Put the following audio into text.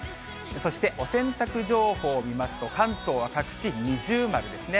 そしてお洗濯情報を見ますと、関東は各地二重丸ですね。